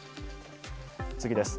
次です。